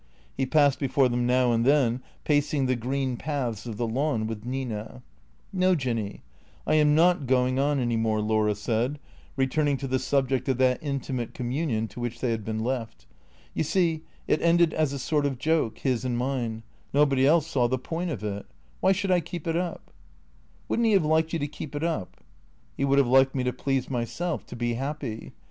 He passed before them now and then, pacing the green paths of the lawn with Nina. " No, Jinny, I am not going on any more," Laura said, re turning to the subject of that intimate communion to which they had been left. "You see, it ended as a sort of joke, his and mine — nobody else saw the point of it. Why should I keep it up ?"" Would n't he have liked you to keep it up ?"" He would have liked me to please myself — to be happy.